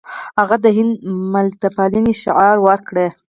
هغه د هند ملتپالنې شعار ورکړ.